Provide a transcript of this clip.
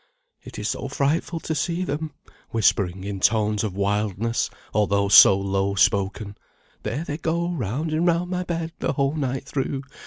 "It is so frightful to see them," whispering in tones of wildness, although so low spoken. "There they go round and round my bed the whole night through.